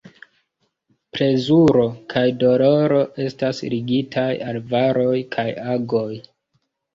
Plezuro kaj doloro estas ligitaj al varoj kaj agoj.